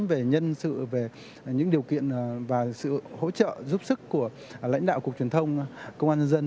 về nhân sự về những điều kiện và sự hỗ trợ giúp sức của lãnh đạo cục truyền thông công an nhân dân